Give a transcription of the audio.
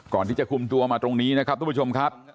ก่อนที่จะคุมตัวมาตรงนี้นะครับทุกผู้ชมครับ